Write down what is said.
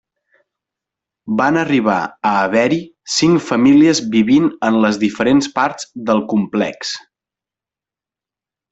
Van arribar a haver-hi cinc famílies vivint en les diferents parts del complex.